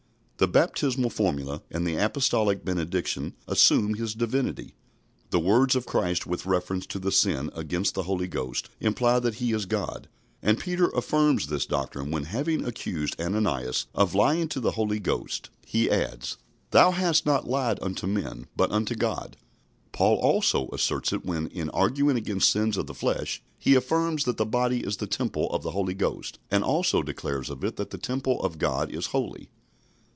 The baptismal formula and the apostolic benediction assume His Divinity. The words of Christ with reference to the sin against the Holy Ghost imply that He is God, and Peter affirms this doctrine when, having accused Ananias of lying to the Holy Ghost, he adds, "Thou hast not lied unto men, but unto God." Paul also asserts it when, in arguing against sins of the flesh, he affirms that the body is the temple of the Holy Ghost, and also declares of it that the temple of GOD is holy.